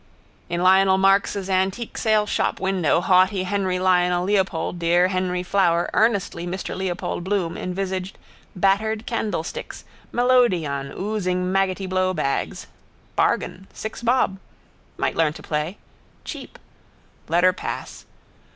In Lionel Marks's antique saleshop window haughty Henry Lionel Leopold dear Henry Flower earnestly Mr Leopold Bloom envisaged battered candlesticks melodeon oozing maggoty blowbags. Bargain: six bob. Might learn to play. Cheap. Let her pass.